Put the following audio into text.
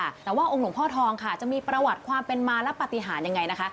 แต่ว่าองค์หลวงพ่อทองค่ะจะมีประวัติความเป็นมาและปฏิหารยังไงนะคะ